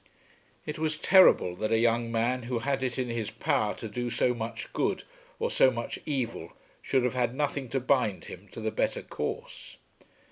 It was terrible that a young man who had it in his power to do so much good or so much evil should have had nothing to bind him to the better course!